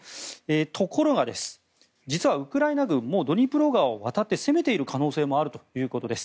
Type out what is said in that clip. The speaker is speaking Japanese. ところが実は、ウクライナ軍もうドニプロ川を渡って攻めている可能性もあるということです。